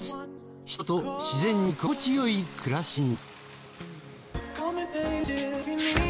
人と自然に心地よい暮らしに。